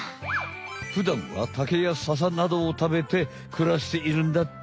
ふだんはタケやササなどを食べてくらしているんだって。